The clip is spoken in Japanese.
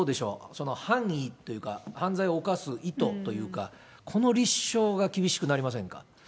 その範囲というか、犯罪を犯す意図というか、この立証が厳しくなりませんか？